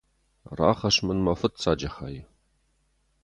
Рахӕсс мын мӕ фыццаджы хай.